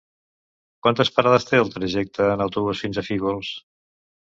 Quantes parades té el trajecte en autobús fins a Fígols?